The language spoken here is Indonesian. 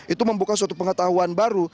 itu membuka suatu pengetahuan baru